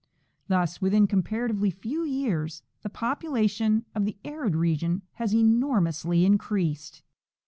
Thus within comparatively few years the population of the arid region has enormously increased.